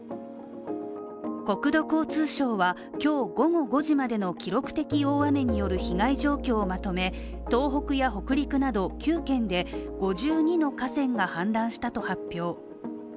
国土交通省は今日午後５時までの記録的大雨による被害状況をまとめ東北や北陸など、９県で５２の河川が氾濫したと発表。